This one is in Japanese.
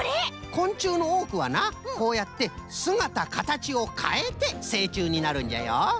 こんちゅうのおおくはなこうやってすがたかたちをかえてせいちゅうになるんじゃよ。